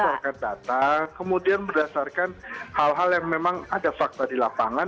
berdasarkan data kemudian berdasarkan hal hal yang memang ada fakta di lapangan